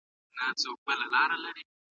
که حقوق ورکړل سي څوک به بغاوت ونه کړي.